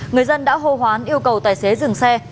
người dân đã hô hoán yêu cầu tài xế dừng xe